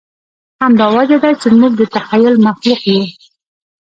همدا وجه ده، چې موږ د تخیل مخلوق یو.